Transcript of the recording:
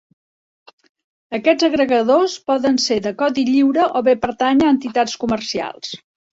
Aquests agregadors poden ser de codi lliure o bé pertànyer a entitats comercials.